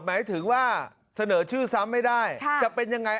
หมายถึงว่าเสนอชื่อซ้ำไม่ได้จะเป็นยังไง